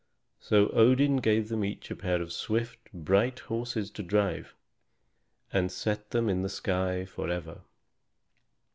So Odin gave them each a pair of swift, bright horses to drive, and set them in the sky forever.